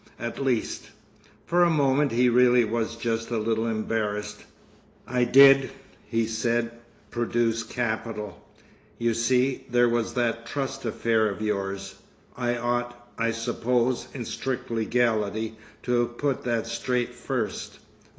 At least—" For a moment he really was just a little embarrassed. "I did" he said, "produce capital. You see, there was that trust affair of yours—I ought, I suppose—in strict legality—to have put that straight first.